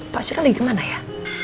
pak sur lagi kemana ya